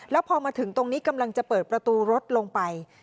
แล้วพอมาถึงตรงนี้กำลังจะเปิดประตูรถลงไป